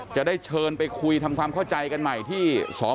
จะได้เชิญไปคุยทำความเข้าใจกันใหม่ที่สส